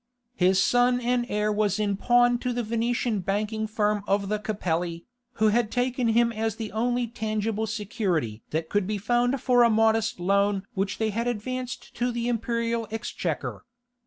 His son and heir was in pawn to the Venetian banking firm of the Capelli, who had taken him as the only tangible security that could be found for a modest loan which they had advanced to the imperial exchequer.